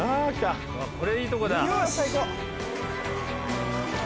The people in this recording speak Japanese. これいいとこだ